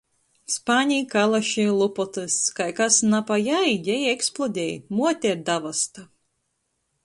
Spani, kalaši, lupotys. Kai kas na pa jai, jei eksplodej. Muote ir davasta.